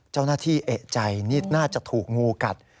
เจ้าหน้าที่เอกใจนี่น่าจะถูกงูกัด